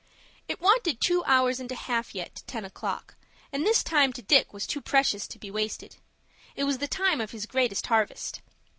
It wanted two hours and a half yet to ten o'clock, and this time to Dick was too precious to be wasted. It was the time of his greatest harvest.